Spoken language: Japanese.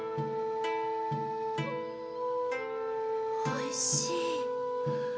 おいしい。